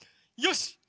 よし！